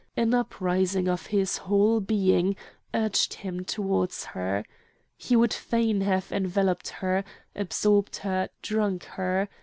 An uprising of his whole being urged him towards her. He would fain have enveloped her, absorbed her, drunk her.